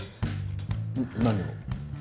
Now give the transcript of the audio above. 何を？